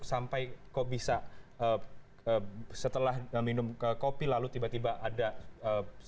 sampai kok bisa setelah minum kopi lalu tiba tiba ada eee